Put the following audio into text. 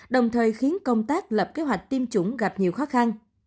đồng thời khiến công tác lập kế hoạch tiêm chủng gặp nhiều khó khăn